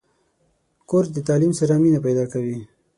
کورس د تعلیم سره مینه پیدا کوي.